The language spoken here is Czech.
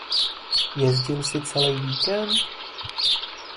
Jezdil jsi celej víkend?